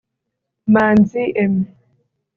Manzi Aimé